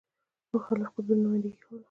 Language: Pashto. مخالفو قطبونو نمایندګي کوله.